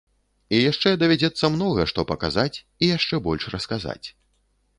І яшчэ давядзецца многа што паказаць і яшчэ больш расказаць.